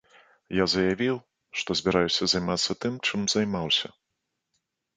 Я заявіў, што збіраюся займацца тым, чым займаўся.